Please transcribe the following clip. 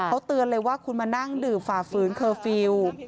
เขาเตือนเลยว่าคุณมานั่งดื่มฝ่าฝืนเคอร์ฟิลล์